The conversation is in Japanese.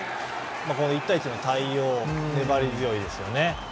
１対１の対応、粘り強いですよね。